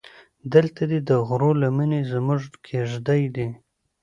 دلته دې د غرو لمنې زموږ کېږدۍ دي.